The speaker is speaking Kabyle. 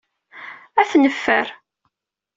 Ad t-neffer.